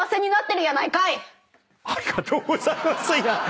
ありがとうございます！